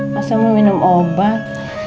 masa mau minum obat